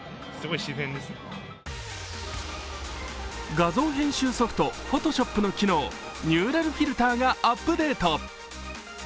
画像編集ソフト、Ｐｈｏｔｏｓｈｏｐの機能、ニューラルフィルターがアップデート。